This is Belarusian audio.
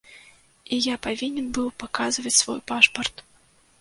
І я павінен быў паказваць свой пашпарт.